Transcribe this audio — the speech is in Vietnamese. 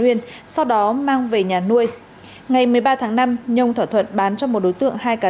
nguyên sau đó mang về nhà nuôi ngày một mươi ba tháng năm nhung thỏa thuận bán cho một đối tượng hai cá